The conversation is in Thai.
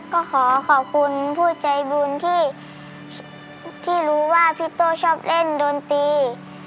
ก็ขอขอบคุณผู้ใจบุญที่รู้ว่าพี่โต้ชอบเล่นโดนตี